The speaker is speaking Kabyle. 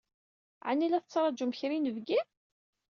Ɛni la tettṛajum kra n yinebgi?